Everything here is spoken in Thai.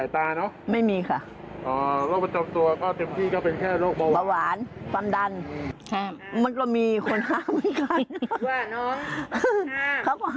ยังไงแต่เห็นเข้าไปมันก็อยากค่ะ